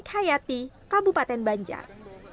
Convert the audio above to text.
nanik hayati kabupaten banjar